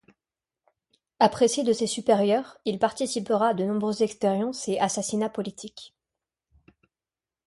Apprécié de ses supérieurs, il participera à de nombreuses expériences et assassinats politiques.